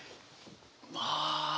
まあ。